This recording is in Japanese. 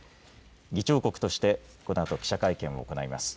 議長国として、このあと記者会見を行います。